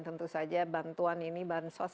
tentu saja bantuan ini bansos